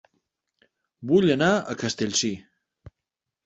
Vull anar a Castellcir